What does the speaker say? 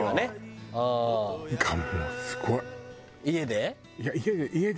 家で？